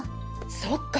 そっか！